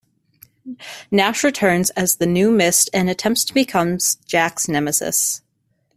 Nash returns as the new Mist and attempts to become Jack's nemesis.